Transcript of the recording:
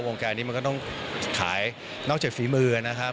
แกนี้มันก็ต้องขายนอกจากฝีมือนะครับ